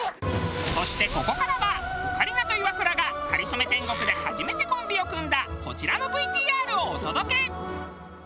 そしてここからはオカリナとイワクラが『かりそめ天国』で初めてコンビを組んだこちらのＶＴＲをお届け！